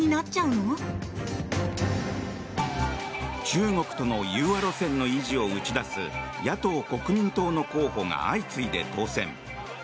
中国との融和路線の維持を打ち出す野党・国民党の候補が相次いで当選。